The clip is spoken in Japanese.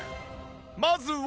まずは